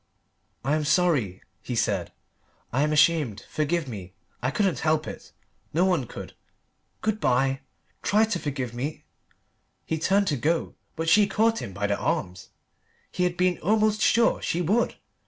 "I am sorry," he said. "I am ashamed. Forgive me. I couldn't help it. No one could. Good bye. Try to forgive me " He turned to go, but she caught him by the arms. He had been almost sure she would.